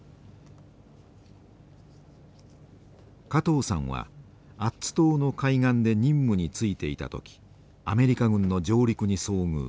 加藤さんはアッツ島の海岸で任務に就いていた時アメリカ軍の上陸に遭遇。